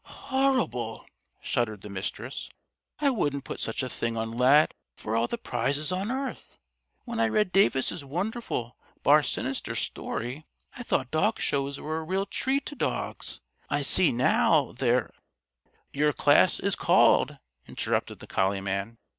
Horrible!" shuddered the Mistress. "I wouldn't put such a thing on Lad for all the prizes on earth. When I read Davis' wonderful 'Bar Sinister' story, I thought dog shows were a real treat to dogs. I see, now, they're " "Your class is called!" interrupted the collie man.